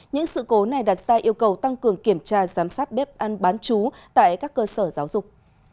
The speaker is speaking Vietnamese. những sự cố này đặt ra yêu cầu tăng cường kiểm tra giám sát bếp ăn bán chú tại các cơ sở giáo dục